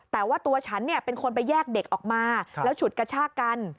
แต่ว่าตัวฉันเป็นคนไปแยกเด็กออกมาแล้วฉุดกระชากกัน